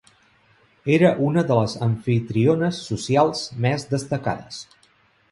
Era una de les amfitriones socials més destacades.